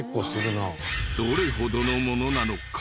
どれほどのものなのか